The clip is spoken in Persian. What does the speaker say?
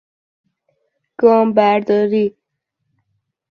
گام برداری